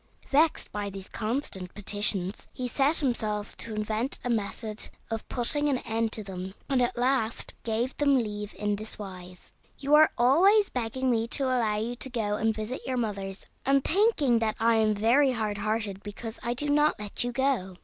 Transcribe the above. Vexed by these constant petitions, he set himself to invent a method of putting an end to them, and at last gave them leave in this wise: "You are always begging me to allow you to go and visit your mothers, and thinking that I am very hard hearted because I do not let you go.